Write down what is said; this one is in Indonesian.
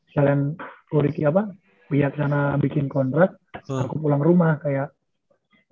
selain ko riki apa biar kesana bikin kontrak aku pulang rumah kayak